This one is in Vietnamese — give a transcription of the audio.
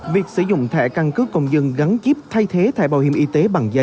việc sử dụng thẻ căn cước công dân gắn chip thay thế thẻ bảo hiểm y tế